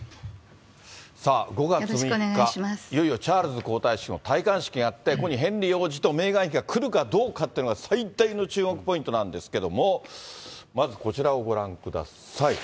さあ、５月３日、いよいよチャールズ国王の戴冠式があって、ここにヘンリー王子とメーガン妃が来るかどうかというのが、最大の注目ポイントなんですけれども、まずこちらをご覧ください。